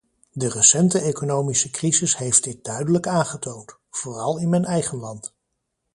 De recente economische crisis heeft dit duidelijk aangetoond, vooral in mijn eigen land.